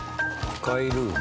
スカイルーム？